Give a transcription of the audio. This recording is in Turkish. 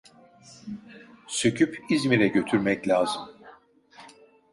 Söküp İzmir'e götürmek lazım.